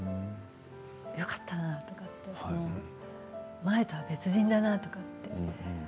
よかったなとか前とは別人だなとかって。